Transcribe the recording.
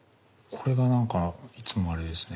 これがなんかいつもあれですね。